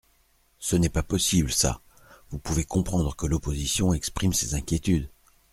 Ce n’est pas possible, ça ! Vous pouvez comprendre que l’opposition exprime ses inquiétudes.